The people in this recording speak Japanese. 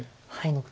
はい。